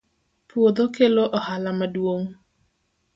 puodho kelo ohala ma duong